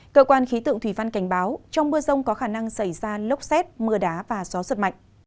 cơ quan khí tượng thủy văn cảnh báo trong mưa rông có khả năng xảy ra lốc xét mưa đá và gió giật mạnh